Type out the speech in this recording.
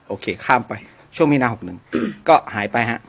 โอเคข้ามไปช่วงมีนา๖๑ก็หายไปฮะ